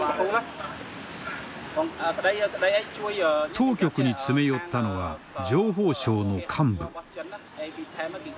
当局に詰め寄ったのは情報省の幹部。